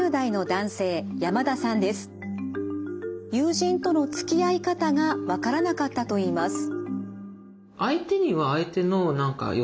友人とのつきあい方が分からなかったといいます。